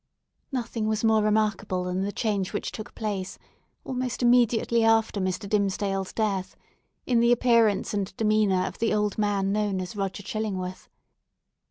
Nothing was more remarkable than the change which took place, almost immediately after Mr. Dimmesdale's death, in the appearance and demeanour of the old man known as Roger Chillingworth.